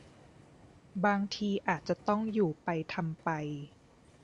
บางทีอาจจะต้องอยู่ไปทำไป